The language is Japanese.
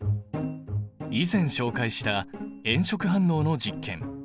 以前紹介した炎色反応の実験。